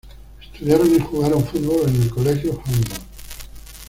Estudiaron y jugaron fútbol en el Colegio Humboldt.